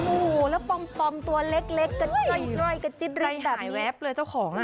โอ้โหแล้วปอมตัวเล็กกระจ้อยกระจิ๊ดริ้งแบบแวบเลยเจ้าของอ่ะ